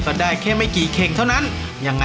ก็ได้แค่ไม่กี่เข่งเท่านั้นยังไง